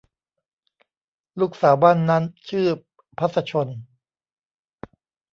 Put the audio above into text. ลูกสาวบ้านนั้นชื่อพรรษชล